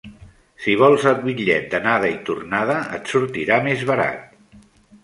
Si vols el bitllet d'anada i tornada, et sortirà més barat.